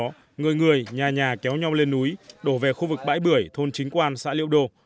trước đó người người nhà nhà kéo nhau lên núi đổ về khu vực bãi bưởi thôn chính quan xã liễu đô